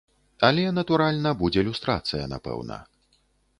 Але, натуральна, будзе люстрацыя, напэўна.